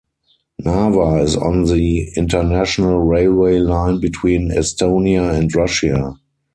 Narva is on the international railway line between Estonia and Russia.